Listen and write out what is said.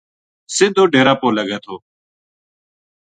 سِدھو ڈیراں پو لگے تھو